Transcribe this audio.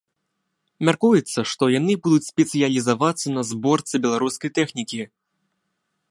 Мяркуецца, што яны будуць спецыялізавацца на зборцы беларускай тэхнікі.